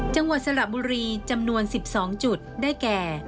จังหวัดสระบุรีจำนวน๑๒จุดได้แก่